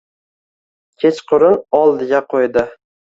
Kechqurun oldiga qo`ydi